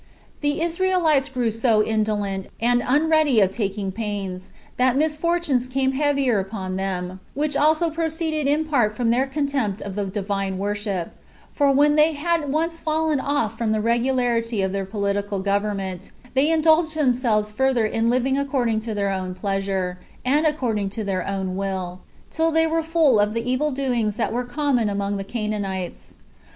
2. The Israelites grew so indolent, and unready of taking pains, that misfortunes came heavier upon them, which also proceeded in part from their contempt of the Divine worship; for when they had once fallen off from the regularity of their political government, they indulged themselves further in living according to their own pleasure, and according to their own will, till they were full of the evil doings that were common among the Canaanites.